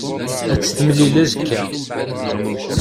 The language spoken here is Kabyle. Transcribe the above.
Ad t-temlil azekka.